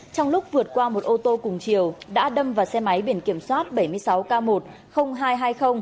trong lúc vượt qua một ô tô cùng chiều đã đâm vào xe máy biển kiểm soát bảy mươi sáu k một hai trăm hai mươi